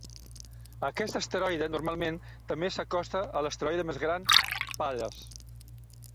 Aquest asteroide normalment també s'acosta a l'asteroide més gran Pallas.